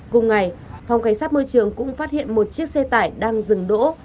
cùng ngày phòng cảnh sát môi trường cũng phát hiện một chiếc xe tải đang dừng đỗ